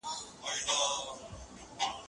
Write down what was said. د خوړو مسمومیت د ناپاکو لاسونو او مکروبونو نتیجه ده.